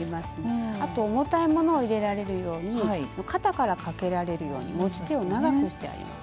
あと重たいものを入れられるように肩からかけられるように持ち手を長くしてあります。